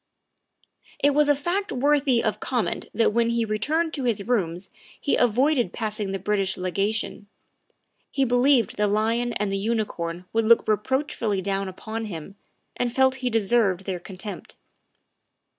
It was a fact worthy of comment that when he re turned to his rooms he avoided passing the British Legation; he believed the lion and the unicorn would look reproachfully down upon him and felt he deserved their contempt.